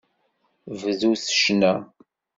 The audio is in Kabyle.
Bdut ccna.